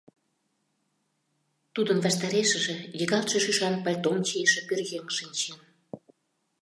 Тудын ваштарешыже йыгалтше шӱшан пальтом чийыше пӧръеҥ шинчен.